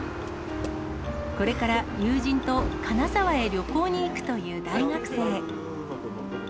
これから友人と金沢へ旅行に行くという大学生。